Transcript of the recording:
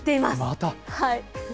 また。